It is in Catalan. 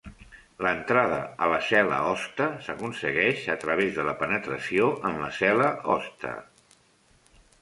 L'entrada a la cel·la hoste s'aconsegueix a través de la penetració en la cel·la hoste.